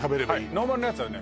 ノーマルなやつはね